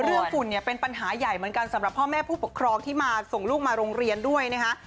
ฝุ่นเนี่ยเป็นปัญหาใหญ่เหมือนกันสำหรับพ่อแม่ผู้ปกครองที่มาส่งลูกมาโรงเรียนด้วยนะคะ